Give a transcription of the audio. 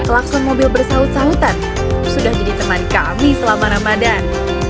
langsung mobil bersaut sautan sudah jadi teman kami selama ramadhan